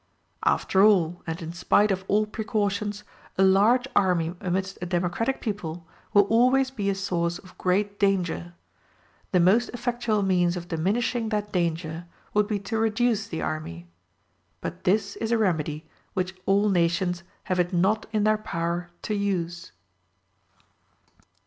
After all, and in spite of all precautions, a large army amidst a democratic people will always be a source of great danger; the most effectual means of diminishing that danger would be to reduce the army, but this is a remedy which all nations have it not in their power to use.